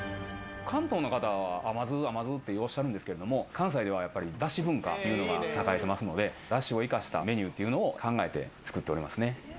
関東の方は甘酢、甘酢ってよう、おっしゃるんですけども、関西ではやっぱりだし文化というのが栄えてますので、だしを生かしたメニューというのを考えて作っておりますね。